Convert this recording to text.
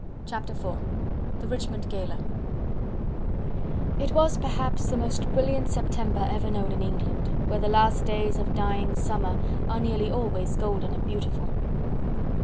Chapter IV: The Richmond Gala It was perhaps the most brilliant September ever known in England, where the last days of dying summer are nearly always golden and beautiful.